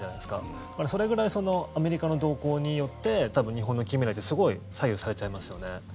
だから、それぐらいアメリカの動向によって日本の近未来ってすごい左右されちゃいますよね。